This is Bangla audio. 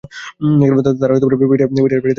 তারা পিটারের বাড়িতে প্রবেশ করে।